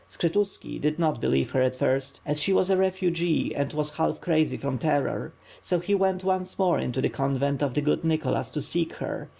Skshetuski did not believe her at first, as she was a refugee and was half crazy from terror. So he went once more into the convent of the good Nicholas to seek her.